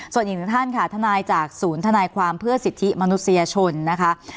ส่วนอีกหนึ่งท่านค่ะทนายจากศูนย์ทนายความเพื่อสิทธิมนุษยชนนะคะ